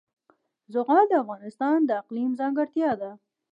زغال د افغانستان د اقلیم ځانګړتیا ده.